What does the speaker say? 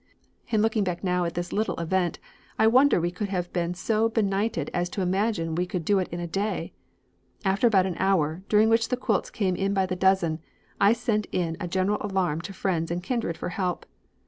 "In looking back now at this little event, I wonder we could have been so benighted as to imagine we could do it in a day! After about an hour, during which the quilts came in by the dozen, I sent in a general alarm to friends and kindred for help.